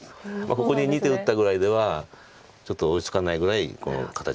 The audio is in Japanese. ここに２手打ったぐらいではちょっと追いつかないぐらいこの形は悲惨な形。